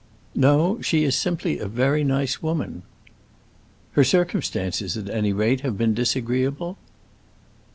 "No, she is simply a very nice woman." "Her circumstances, at any rate, have been disagreeable?"